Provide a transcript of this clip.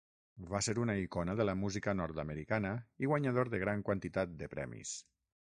Va ser una icona de la música nord-americana i guanyador de gran quantitat de premis.